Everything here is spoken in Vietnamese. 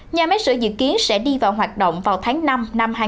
nhà máy sữa dự kiến sẽ đi vào hoạt động vào tháng năm năm hai nghìn hai mươi